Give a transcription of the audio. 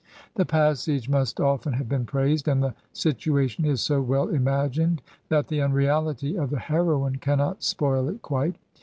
The passage must often have been praised, and the situation is so well imagined that the unreahty of the heroine cannot spoil it quite.